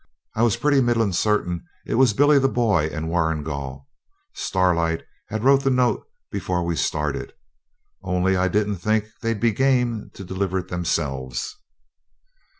I was pretty middling certain it was Billy the Boy and Warrigal. Starlight had wrote the note before we started, only I didn't think they'd be game to deliver it themselves.